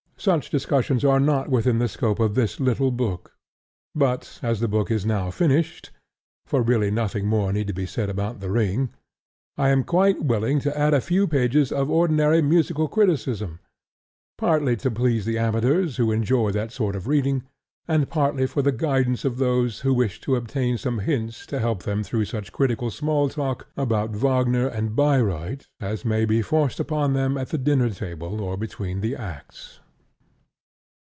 Such discussions are not within the scope of this little book. But as the book is now finished (for really nothing more need be said about The Ring), I am quite willing to add a few pages of ordinary musical criticism, partly to please the amateurs who enjoy that sort of reading, and partly for the guidance of those who wish to obtain some hints to help them through such critical small talk about Wagner and Bayreuth as may be forced upon them at the dinner table or between the acts.